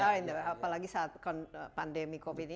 apalagi saat pandemi covid sembilan belas